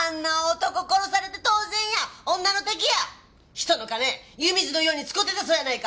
人の金湯水のように使うてたそうやないか。